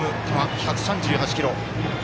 １３１キロ。